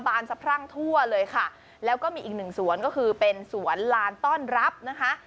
บานสะพรั่งทั่วเลยค่ะแล้วก็มีอีกหนึ่งสวนก็คือเป็นสวนลานต้อนรับนะคะ